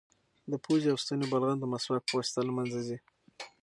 د پوزې او ستوني بلغم د مسواک په واسطه له منځه ځي.